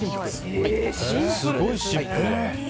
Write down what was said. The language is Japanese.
すごいシンプルだね。